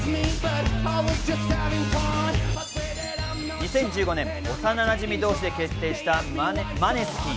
２０１５年、幼なじみ同士で結成したマネスキン。